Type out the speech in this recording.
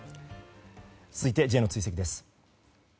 続いて、Ｊの追跡です。